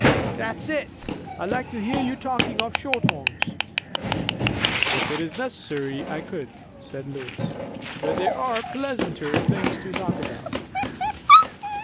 '" "That's it. I'd like to hear you talking of shorthorns." "If it is necessary, I could," said Lois; "but there are pleasanter things to talk about."